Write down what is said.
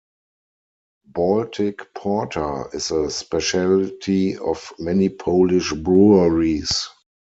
Baltic Porter is a specialty of many Polish breweries.